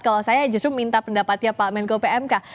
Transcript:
kalau saya justru minta pendapatnya pak menko pmk